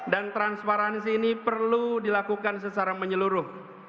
dan transparansi ini perlu dilakukan secara menyeluruh